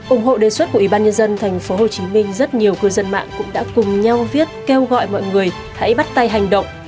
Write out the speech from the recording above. ủng hộ đề xuất của ủy ban nhân dân tp hcm rất nhiều cư dân mạng cũng đã cùng nhau viết kêu gọi mọi người hãy bắt tay hành động